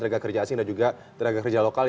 tenaga kerja asing dan juga tenaga kerja lokal